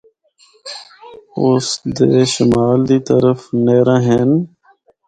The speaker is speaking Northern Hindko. اس دے شمال دے طرف نہراں ہن۔